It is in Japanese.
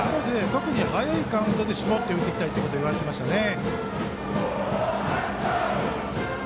特に早いカウントで絞って打っていきたいと言われていましたね。